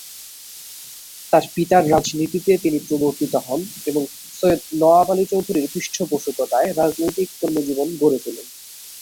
তার পিতার রাজনীতিতে তিনি প্রবর্তিত হন এবং সৈয়দ নওয়াব আলী চৌধুরীর পৃষ্ঠপোষকতায় রাজনৈতিক কর্মজীবন গড়ে তোলেন।